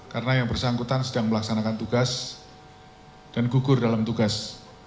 karena yang bersangkutan sedang melaksanakan tugas dan gugur dalam tugas